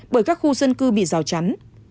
bởi các khu dân cư bị rào chắn